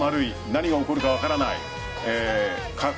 何が起こるか分からない。